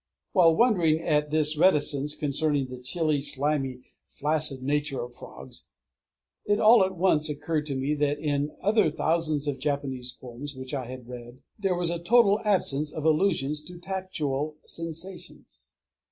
_ While wondering at this reticence concerning the chilly, slimy, flaccid nature of frogs, it all at once occurred to me that in other thousands of Japanese poems which I had read there was a total absence of allusions to tactual sensations.